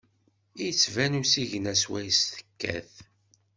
Ittban usigna syawes tekkat.